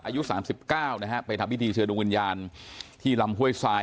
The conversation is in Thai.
อายุ๓๙นะฮะไปทำพิธีเชิญดวงวิญญาณที่ลำห้วยทราย